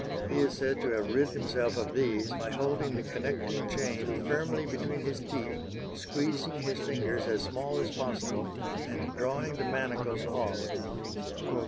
He is said to have rid himself of these by holding the connecting chain firmly between his teeth, squeezing his fingers as small as possible, and drawing the manacles off.